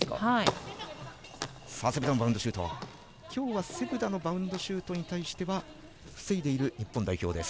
きょうはセブダのバウンドシュートに対しては防いでいる日本代表です。